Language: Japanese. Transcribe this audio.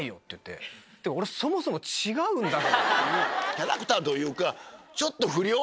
キャラクターというか。